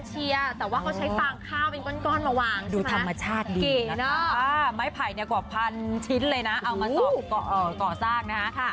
เอามาสอบก่อซากนะครับ